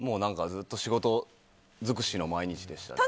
ずっと仕事尽くしの毎日でした。